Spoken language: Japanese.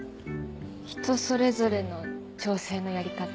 人それぞれの調整のやり方。